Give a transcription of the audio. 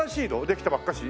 できたばっかし？